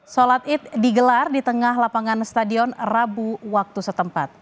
sholat id digelar di tengah lapangan stadion rabu waktu setempat